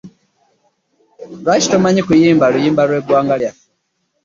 Lwaki tomanyi kuyimba luyimba lw'eggwanga lyaffe?